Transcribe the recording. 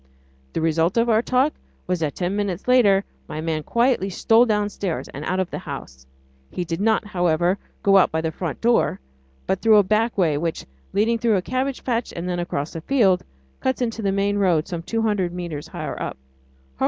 The result of our talk was that ten minutes later my man quietly stole downstairs and out of the house. He did not, however, go out by the front door, but through a back way which, leading through a cabbage patch and then across a field, cuts into the main road some two hundred metres higher up.